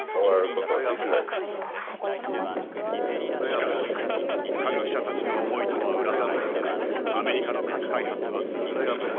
しかし科学者たちの思いとは裏腹にアメリカの核開発は進んでいく。